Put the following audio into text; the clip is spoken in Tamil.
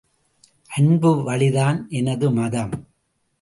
அன்பு வழிதான் எனது மதம்!